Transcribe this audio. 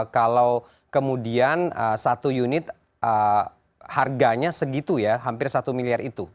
kalau kemudian satu unit harganya segitu ya hampir satu miliar itu